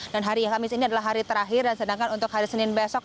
dan hari kamis ini adalah hari terakhir dan sedangkan untuk hari senin besok